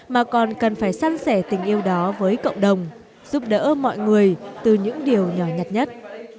mà còn cần phải săn sẻ tình yêu đó với cộng đồng giúp đỡ mọi người từ những điều nhỏ nhặt nhất